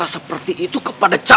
dari pertemuan kita